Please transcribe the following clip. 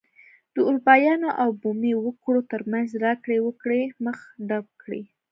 د اروپایانو او بومي وګړو ترمنځ راکړې ورکړې مخه ډپ کړي.